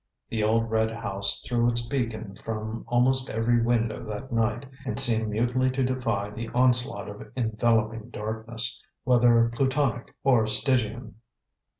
The old red house threw its beacon from almost every window that night, and seemed mutely to defy the onslaught of enveloping darkness, whether Plutonic or Stygian.